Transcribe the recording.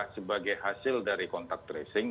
sebagai hasil dari kontak tracing